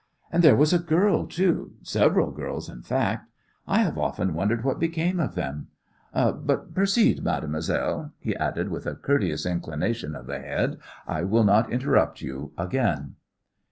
And there was a girl too several girls, in fact. I have often wondered what became of them. But proceed, mademoiselle," he added with a courteous inclination of the head. "I will not interrupt you again."